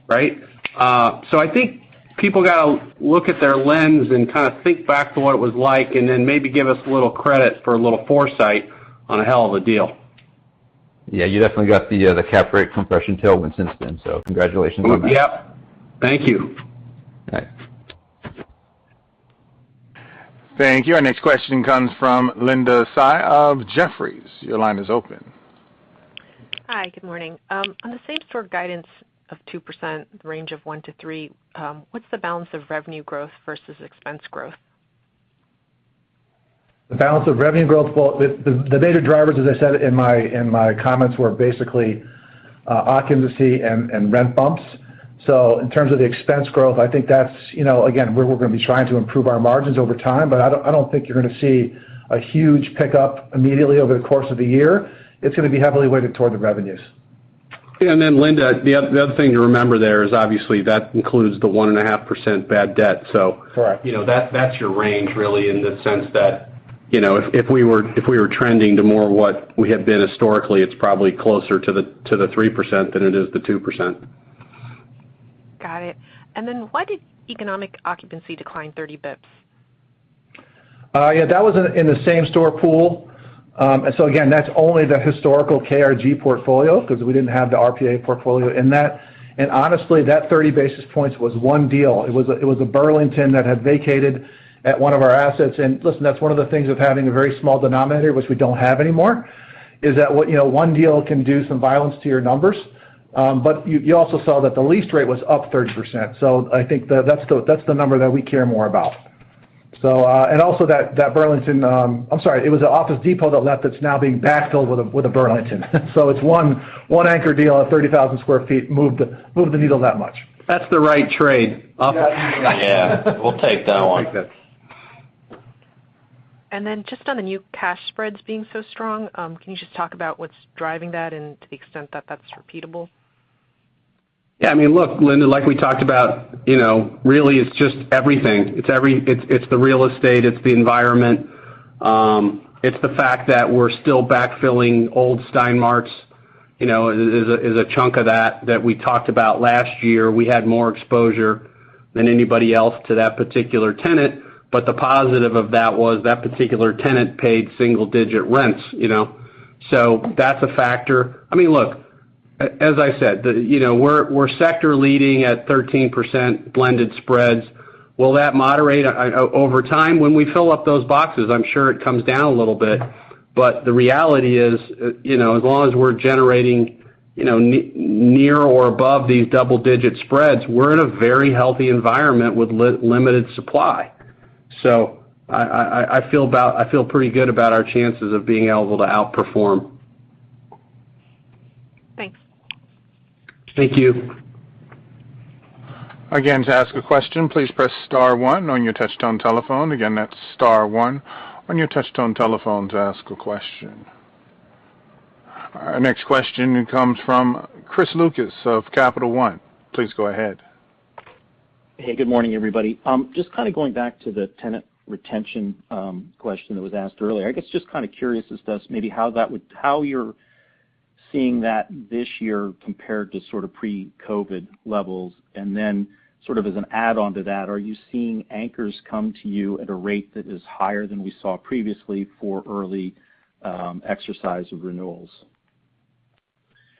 right? I think people gotta look at their lens and kind of think back to what it was like and then maybe give us a little credit for a little foresight on a hell of a deal. Yeah, you definitely got the cap rate compression tailwind since then, so congratulations on that. Yep, thank you. Thanks. Thank you. Our next question comes from Linda Tsai of Jefferies. Your line is open. Hi. Good morning. On the same sort of guidance of 2% range of 1%-3%, what's the balance of revenue growth versus expense growth? The balance of revenue growth, the data drivers, as I said in my comments, were basically occupancy and rent bumps. In terms of the expense growth, I think that's, you know, again, where we're gonna be trying to improve our margins over time, but I don't think you're gonna see a huge pickup immediately over the course of the year. It's gonna be heavily weighted toward the revenues. Yeah. Linda, the other thing to remember there is obviously that includes the 1.5% bad debt, so, you know, that's your range really in the sense that, you know, if we were trending to more what we have been historically, it's probably closer to the 3% than it is the 2%. Got it. Why did economic occupancy decline 30 basis points? Yeah, that was in the same store pool. Again, that's only the historical KRG portfolio 'cause we didn't have the RPAI portfolio in that. Honestly, that 30 basis points was one deal. It was a Burlington that had vacated at one of our assets. Listen, that's one of the things of having a very small denominator, which we don't have anymore, is that you know, one deal can do some violence to your numbers. You also saw that the lease rate was up 30%, so I think that's the number that we care more about. That Burlington, I'm sorry, it was a Office Depot that left that's now being backfilled with a Burlington. It's one anchor deal at 30,000 sq ft moved the needle that much. That's the right trade. Office Depot. Yeah, we'll take that one. We'll take that. Just on the new cash spreads being so strong, can you just talk about what's driving that and to the extent that that's repeatable? Yeah. I mean, look, Linda, like we talked about, you know, really it's just everything. It's the real estate, it's the environment, it's the fact that we're still backfilling old Stein Marts, you know, is a chunk of that we talked about last year. We had more exposure than anybody else to that particular tenant, but the positive of that was that particular tenant paid single digit rents, you know. So that's a factor. I mean, look, as I said, you know, we're sector leading at 13% blended spreads. Will that moderate over time? When we fill up those boxes, I'm sure it comes down a little bit. But the reality is, you know, as long as we're generating, you know, near or above these double digit spreads, we're in a very healthy environment with limited supply. I feel pretty good about our chances of being able to outperform. Thanks. Thank you. Our next question comes from Chris Lucas of Capital One. Please go ahead. Hey, good morning, everybody. Just kind of going back to the tenant retention, question that was asked earlier. I guess just kind of curious as to maybe how you're seeing that this year compared to sort of pre-COVID levels. Sort of as an add-on to that, are you seeing anchors come to you at a rate that is higher than we saw previously for early, exercise of renewals?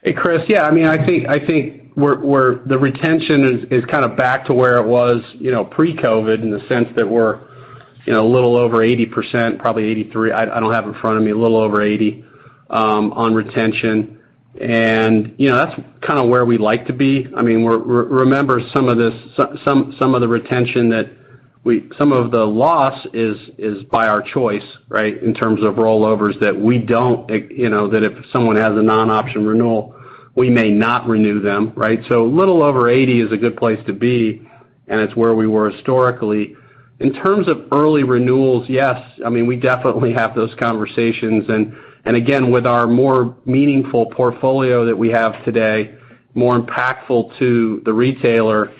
Hey, Chris. Yeah, I mean, I think the retention is kind of back to where it was, you know, pre-COVID in the sense that we're, you know, a little over 80%, probably 83%. I don't have in front of me, a little over 80% on retention. You know, that's kind of where we like to be. I mean, remember some of this, some of the loss is by our choice, right, in terms of rollovers that we don't, you know, that if someone has a non-option renewal, we may not renew them, right? A little over 80% is a good place to be, and it's where we were historically. In terms of early renewals, yes, I mean, we definitely have those conversations. Again, with our more meaningful portfolio that we have today, more impactful to the retailer,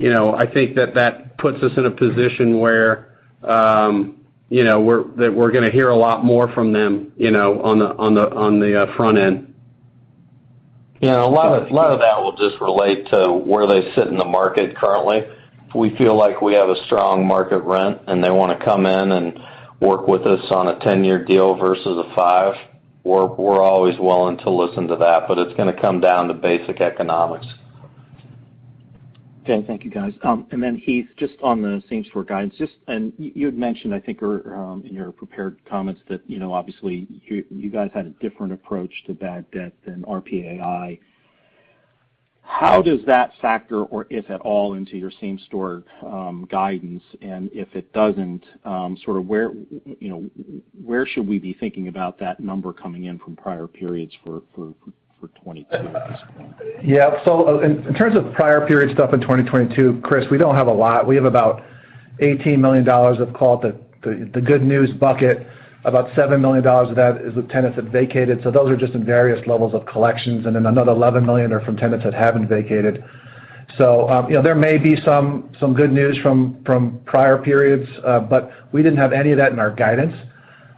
you know, I think that puts us in a position where, you know, that we're gonna hear a lot more from them, you know, on the front end. Yeah. A lot of that will just relate to where they sit in the market currently. If we feel like we have a strong market rent, and they wanna come in and work with us on a 10-year deal versus a five, we're always willing to listen to that, but it's gonna come down to basic economics. Okay. Thank you, guys. Heath, just on the same store guidance, and you had mentioned, I think, in your prepared comments that, you know, obviously you guys had a different approach to bad debt than RPAI. How does that factor, or if at all, into your same store guidance? If it doesn't, sort of where, you know, where should we be thinking about that number coming in from prior periods for 2022 at this point? Yeah. In terms of prior period stuff in 2022, Chris, we don't have a lot. We have about $18 million of call it the good news bucket. About $7 million of that is with tenants that vacated, so those are just in various levels of collections, and then another $11 million are from tenants that haven't vacated. You know, there may be some good news from prior periods, but we didn't have any of that in our guidance.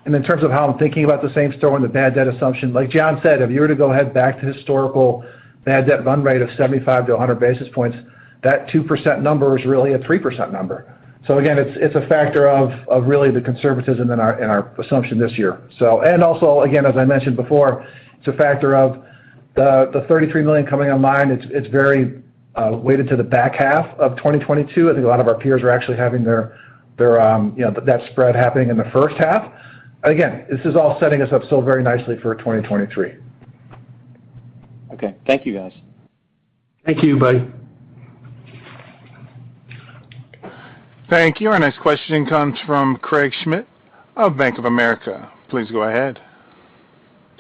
In terms of how I'm thinking about the same store and the bad debt assumption, like John said, if you were to go ahead back to historical bad debt run rate of 75-100 basis points, that 2% number is really a 3% number. Again, it's a factor of really the conservatism in our assumption this year. Also again, as I mentioned before, it's a factor of the $33 million coming online, it's very weighted to the back half of 2022. I think a lot of our peers are actually having their you know, that spread happening in the first half. Again, this is all setting us up so very nicely for 2023. Okay. Thank you, guys. Thank you, buddy. Thank you. Our next question comes from Craig Schmidt of Bank of America. Please go ahead.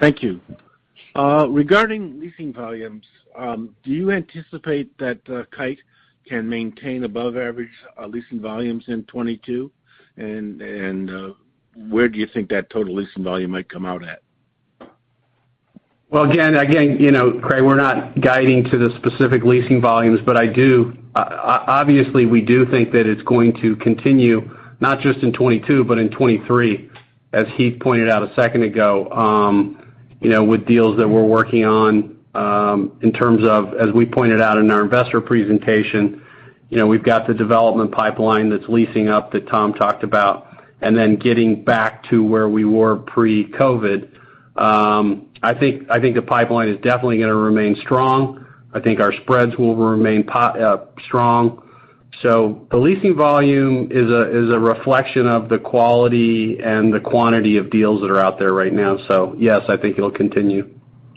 Thank you. Regarding leasing volumes, do you anticipate that Kite can maintain above average leasing volumes in 2022? Where do you think that total leasing volume might come out at? Well, again, you know, Craig, we're not guiding to the specific leasing volumes, but I do obviously we do think that it's going to continue, not just in 2022, but in 2023, as Heath pointed out a second ago, you know, with deals that we're working on, in terms of, as we pointed out in our investor presentation, you know, we've got the development pipeline that's leasing up that Tom talked about, and then getting back to where we were pre-COVID. I think the pipeline is definitely gonna remain strong. I think our spreads will remain strong. The leasing volume is a reflection of the quality and the quantity of deals that are out there right now. Yes, I think it'll continue.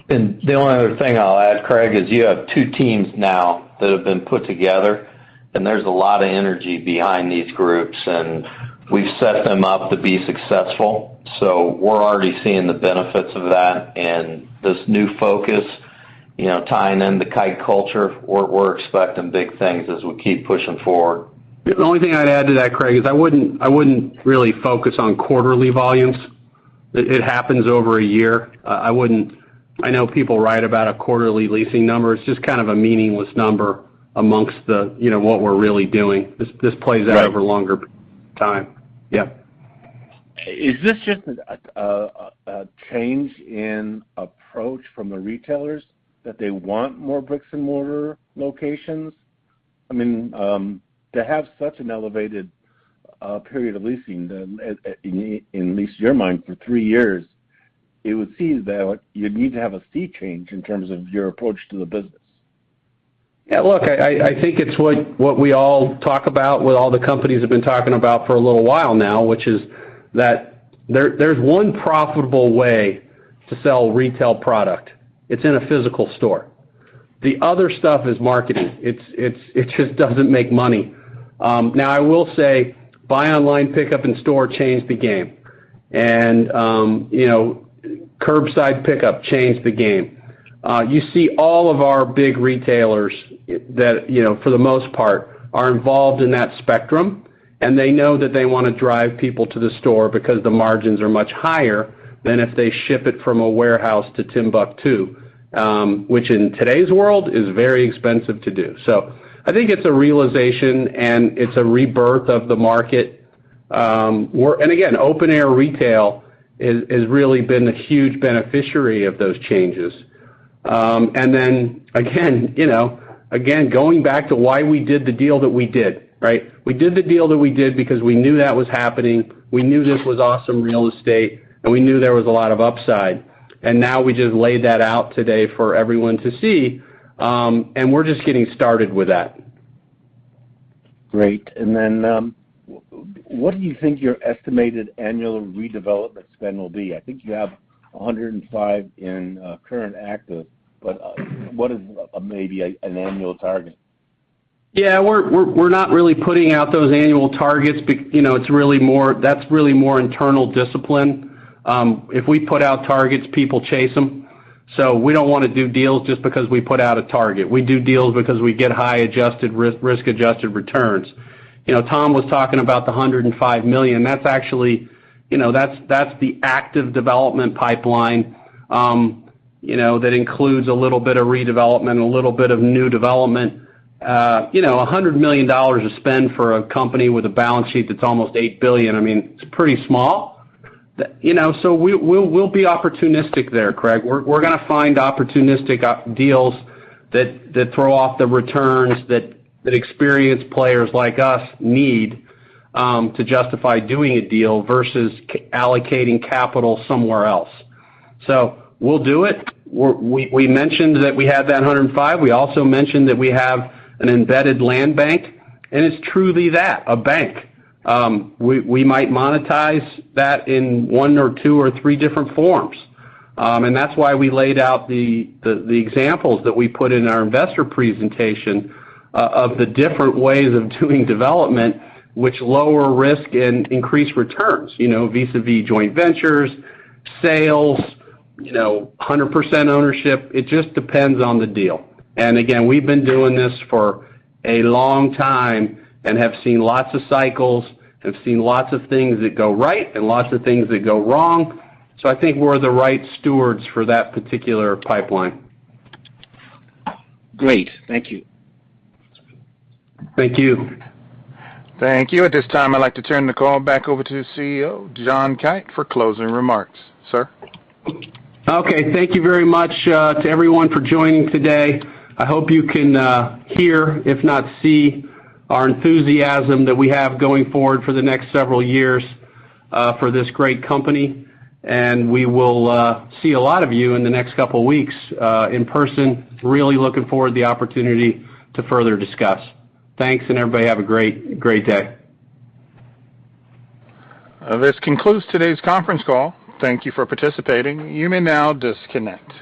The only other thing I'll add, Craig, is you have two teams now that have been put together, and there's a lot of energy behind these groups, and we've set them up to be successful. We're already seeing the benefits of that and this new focus, you know, tying in the Kite culture. We're expecting big things as we keep pushing forward. The only thing I'd add to that, Craig, is I wouldn't really focus on quarterly volumes. It happens over a year. I know people write about a quarterly leasing number. It's just kind of a meaningless number amongst the, you know, what we're really doing. This plays out over longer time. Is this just a change in approach from the retailers that they want more bricks-and-mortar locations? I mean, to have such an elevated period of leasing, then in at least your mind, for three years, it would seem that you'd need to have a sea change in terms of your approach to the business. Yeah. Look, I think it's what we all talk about, what all the companies have been talking about for a little while now, which is that there's one profitable way to sell retail product. It's in a physical store. The other stuff is marketing. It just doesn't make money. Now I will say, buy online, pickup in store changed the game. You know, curbside pickup changed the game. You see all of our big retailers that you know for the most part are involved in that spectrum, and they know that they wanna drive people to the store because the margins are much higher than if they ship it from a warehouse to Timbuktu, which in today's world is very expensive to do. I think it's a realization, and it's a rebirth of the market. Again, open air retail is, has really been the huge beneficiary of those changes. Again, you know, again, going back to why we did the deal that we did, right? We did the deal that we did because we knew that was happening, we knew this was awesome real estate, and we knew there was a lot of upside. Now we just laid that out today for everyone to see, and we're just getting started with that. Great. What do you think your estimated annual redevelopment spend will be? I think you have $105 million in current active, but what is maybe an annual target? Yeah. We're not really putting out those annual targets. You know, it's really more internal discipline. If we put out targets, people chase them. We don't wanna do deals just because we put out a target. We do deals because we get high risk-adjusted returns. You know, Tom was talking about the $105 million. That's actually, you know, that's the active development pipeline that includes a little bit of redevelopment, a little bit of new development. You know, $100 million of spend for a company with a balance sheet that's almost $8 billion. I mean, it's pretty small. You know, we'll be opportunistic there, Craig. We're gonna find opportunistic deals that throw off the returns that experienced players like us need to justify doing a deal versus allocating capital somewhere else. We'll do it. We mentioned that we have that $105 million. We also mentioned that we have an embedded land bank, and it's truly that, a bank. We might monetize that in one or two or three different forms. That's why we laid out the examples that we put in our investor presentation of the different ways of doing development which lower risk and increase returns, you know, vis-a-vis joint ventures, sales, you know, 100% ownership. It just depends on the deal. Again, we've been doing this for a long time and have seen lots of cycles, have seen lots of things that go right and lots of things that go wrong, so I think we're the right stewards for that particular pipeline. Great, thank you. Thank you. Thank you. At this time, I'd like to turn the call back over to the CEO, John Kite, for closing remarks. Sir? Okay. Thank you very much to everyone for joining today. I hope you can hear, if not see, our enthusiasm that we have going forward for the next several years for this great company. We will see a lot of you in the next couple weeks in person. Really looking forward to the opportunity to further discuss. Thanks, and everybody have a great day. This concludes today's conference call. Thank you for participating. You may now disconnect.